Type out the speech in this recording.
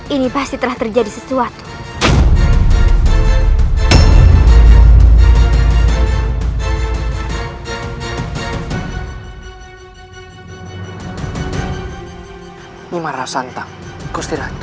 ini pasti telah terjadi sesuatu